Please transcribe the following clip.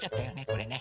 これね。